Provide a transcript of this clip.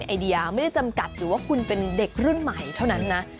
ไอเดียไม่ได้จำกัดหรือว่าคุณเป็นเด็กรุ่นใหม่เท่านั้นนะ